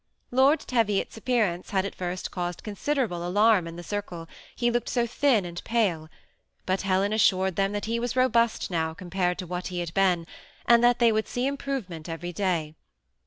Lord Teviot's appearance had at first caused considerable alarm in the circle, he looked so thin and pale ; but Helen assured them that he was ro bust now, compared to what he had been, and that they THE SEMI ATTACHED COUPLE. 343 would see improvement every day.